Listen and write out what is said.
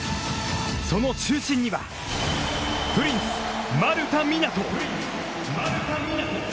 その中心には、プリンス・丸田湊斗。